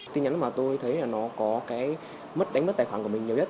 tin nhắn mà tôi thấy là nó có cái mất đánh mất tài khoản của mình nhiều nhất